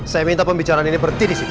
saya minta pembicaraan ini berhenti di situ